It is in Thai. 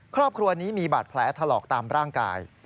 ครอบครัวนี้มีบาดแผลถลอกตามร่างกาย